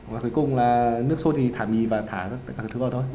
và cuối cùng là nước sôi thì thả mì và thả tất cả các thứ vào thôi